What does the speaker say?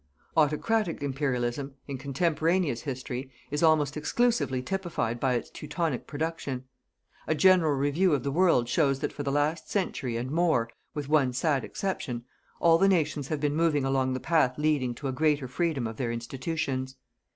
Autocratic Imperialism, in contemporaneous history, is almost exclusively typified by its Teutonic production. A general review of the world shows that for the last century, and more, with one sad exception, all the nations have been moving along the path leading to a greater freedom of their institutions.